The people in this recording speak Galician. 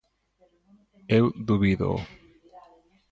Eu dubídoo.